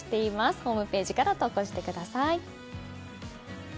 ホームページから投稿してください。